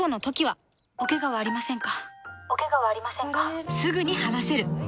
おケガはありませんか？